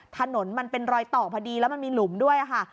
ถนนมันเป็นรอยต่อพอดีแล้วมันมีหลุมด้วยค่ะ